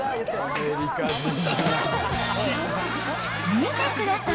見てください。